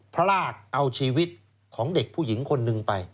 พลาดเอาชีวิตของเด็กผู้หญิงคนหนึ่งไป